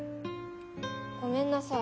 ごめんなさい。